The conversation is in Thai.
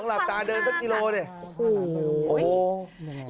ลับตาเดินลับตาขนาดกาม